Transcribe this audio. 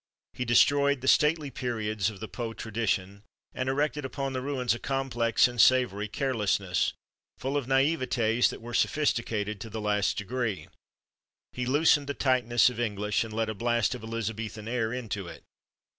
He destroyed the stately periods of the Poe tradition, and erected upon the ruins a complex and savory carelessness, full of naïvetés that were sophisticated to the last degree. He loosened the tightness of English, and let a blast of Elizabethan air into it.